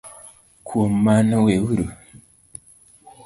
Kuom mano, weuru